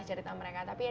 cerita mereka sudah panjang